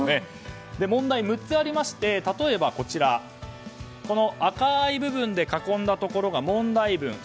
問題６つありまして、例えばこの赤い部分で囲んだところが問題文。